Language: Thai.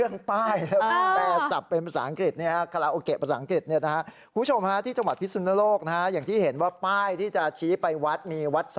ในภาษาอังกฤษคุณผู้ชมที่จังหวัดพิทธิ์สุนโลกอย่างที่เห็นว่าป้ายที่จะชี้ไปมี๒วัด